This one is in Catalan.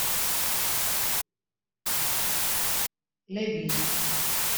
L'he vist.